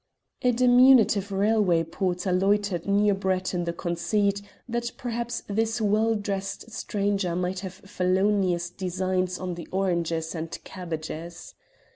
A diminutive railway porter loitered near Brett in the conceit that perhaps this well dressed stranger might have felonious designs on the oranges and cabbages.